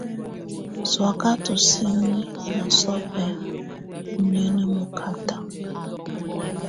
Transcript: Sɔaka tusini na sɔbɛ onienə mɔkata.